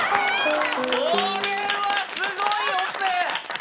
これはすごいオペ！